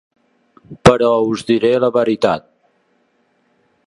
Però us diré la veritat.